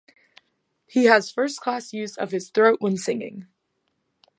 He has first-class use of his throat when singing.